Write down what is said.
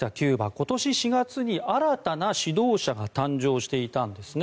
今年４月に新たな指導者が誕生していたんですね。